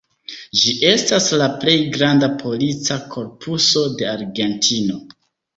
Ĝi estas la plej granda polica korpuso de Argentino.